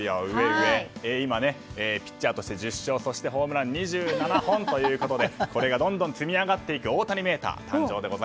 今、ピッチャーとして１０勝ホームラン２７本ということでこれがどんどん積み上がっていく大谷メーターが誕生です。